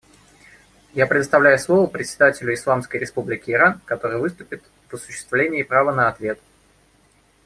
Я предоставляю слово представителю Исламской Республики Иран, который выступит в осуществление права на ответ.